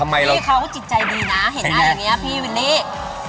พี่เขาจิตใจดีนะเห็นหน้าอย่างนี้พี่วิลลี่